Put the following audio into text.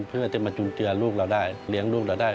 เพื่อจะมาจุนเจือลูกเราได้เลี้ยงลูกเราได้